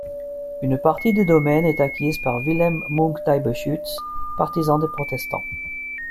Une partie des domaines est acquise par Wilhelm Munk d'Eibeschütz, partisan des protestants.